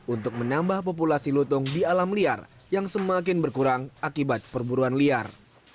untuk menambah populasi lutung di alam liar yang semakin berkurang akibat perburuan liar